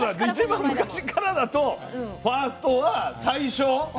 一番昔からだとファーストは最初？